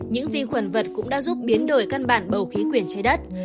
những vi khuẩn vật cũng đã giúp biến đổi căn bản bầu khí quyển trái đất